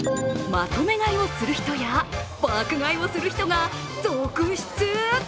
まとめ買いをする人や爆買いをする人が続出。